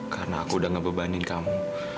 karena aku udah ngebebanin kamu